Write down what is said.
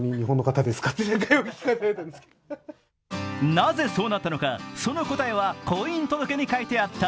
なぜそうなったのか、その答えは婚姻届に書いてあった。